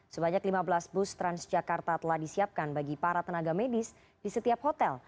sebanyak lima belas bus transjakarta telah disiapkan bagi para tenaga medis di setiap hotel